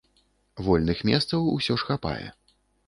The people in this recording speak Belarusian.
Вольных месцаў усё ж хапае.